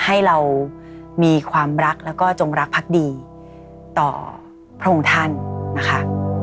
ให้เรามีความรักแล้วก็จงรักพักดีต่อพระองค์ท่านนะคะ